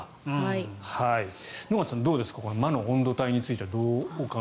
沼津さん、どうですか魔の温度帯については。